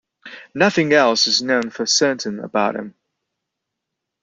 Nothing else is known for certain about him.